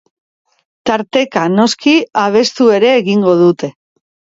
Tarteka, noski, abestu ere egingo dute.